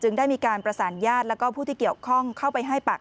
ได้มีการประสานญาติและผู้ที่เกี่ยวข้องเข้าไปให้ปาก